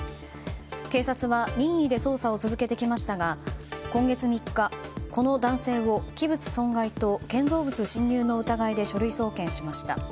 警察は任意で捜査を続けてきましたが今月３日、この男性を器物損壊と建造物侵入の疑いで書類送検しました。